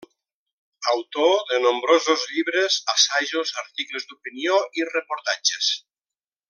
Autor de nombrosos llibres, assajos, articles d'opinió i reportatges.